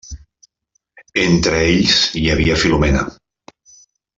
Entre ells hi havia Filomena.